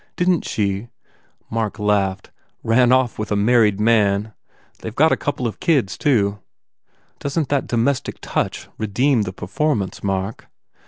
Didn t she " Mark laughed, "Ran off with a married man. They ve got a couple of kids, too." "Doesn t that domestic touch redeem the per formance, Mark?"